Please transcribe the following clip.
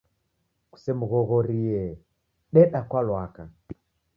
Kusemghoghorie, deda kwa lwaka